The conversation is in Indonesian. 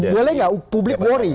boleh gak publik worry